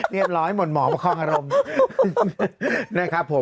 เรียบร้อยหมดหมอบคล่องอารมณ์